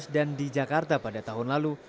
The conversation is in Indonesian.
dan di jakarta pada tahun lalu